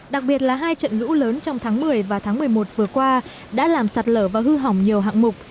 đặc biệt là hai trận lũ lớn trong tháng một mươi và tháng một mươi một vừa qua đã làm sạt lở và hư hỏng nhiều hạng mục